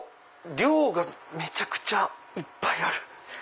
量がめちゃくちゃいっぱいある！